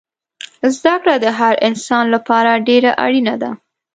زده کړه دهر انسان لپاره دیره اړینه ده